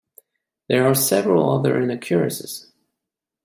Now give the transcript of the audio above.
There are several other inaccuracies.